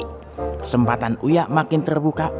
kesempatan uya makin terbuka